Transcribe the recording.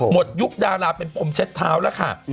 ยุคดาราเป็นพรมเช็ดเท้าแล้วค่ะ